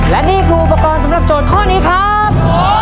และนี่คืออุปกรณ์สำหรับโจทย์ข้อนี้ครับ